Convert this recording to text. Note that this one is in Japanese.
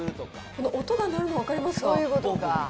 この音が鳴るの分かりますか？